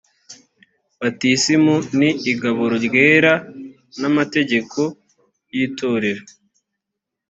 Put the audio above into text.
batisimu n igaburo ryera n amategeko y itorero